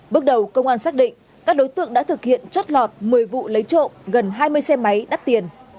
bước đầu công an xác định các đối tượng đã thực hiện trót lọt một mươi vụ lấy trộm gần hai mươi xe máy đắt tiền